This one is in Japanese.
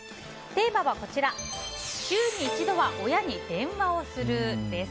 テーマは、週に１度は親に電話をする？です。